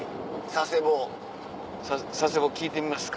佐世保聞いてみますか。